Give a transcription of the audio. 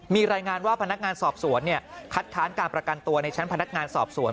มีรายงานว่าพนักงานสอบสวนคัดค้านการประกันตัวในชั้นพนักงานสอบสวน